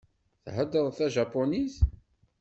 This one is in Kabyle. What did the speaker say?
Theddreḍ tajapunit?